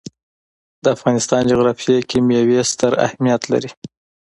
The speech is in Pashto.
د افغانستان جغرافیه کې مېوې ستر اهمیت لري.